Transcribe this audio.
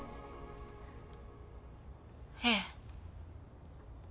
ええ。